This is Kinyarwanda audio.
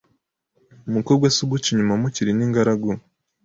Umukobwa se uguca inyuma mukiri n’ingaragu